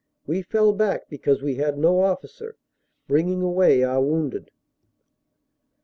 We fell back because we had no officer, bringing away our wounded."